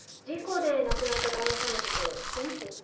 事故で亡くなった旦那さんのこと知ってます？